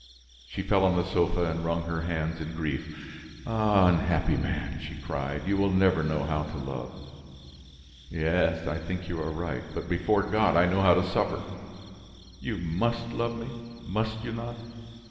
She fell on the sofa and wrung her hands in grief. "Ah! Unhappy man!" she cried, "you will never know how to love!" "Yes, I think you are right, but, before God, I know how to suffer. You must love me, must you not?